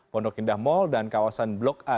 bondokindah mall dan kawasan blok a